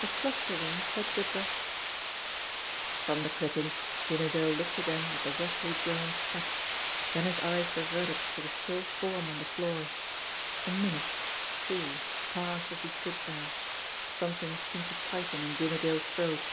A cluster ring set with the From the clipping Jimmie Dale looked again at the roughly drawn sketch, then his eyes reverted to the still form on the floor. A minute, two, passed as he stood there. Something seemed to tighten in Jimmie Dale's throat.